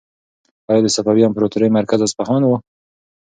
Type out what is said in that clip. ایا د صفوي امپراطورۍ مرکز اصفهان و؟